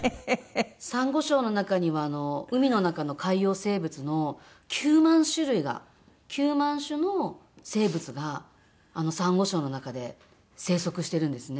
サンゴ礁の中には海の中の海洋生物の９万種類が９万種の生物がサンゴ礁の中で生息してるんですね。